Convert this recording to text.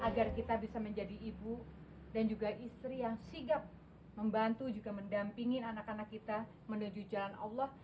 agar kita bisa menjadi ibu dan juga istri yang sigap membantu juga mendampingi anak anak kita menuju jalan allah